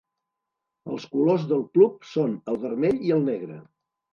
Els colors del club són el vermell i el negre.